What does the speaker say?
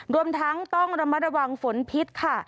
รวมทั้งต้องระมัดระวังฝนพิษค่ะ